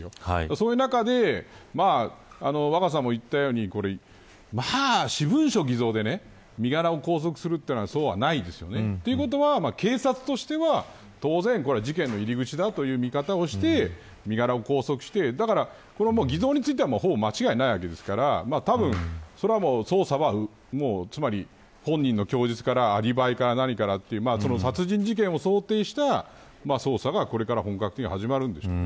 そういう中で若狭さんも言ったように私文書偽造で身柄を拘束するというのはそうないです。ということは警察としては当然事件の入り口だという見方をして身柄を拘束してだから、偽造についてはほぼ間違いないわけですから多分、捜査は本人の供述からアリバイから何からという殺人事件を想定した捜査がこれから本格的に始まるんでしょう。